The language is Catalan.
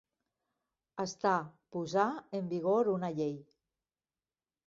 Estar, posar, en vigor una llei.